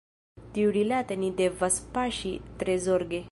Tiurilate ni devas paŝi tre zorge.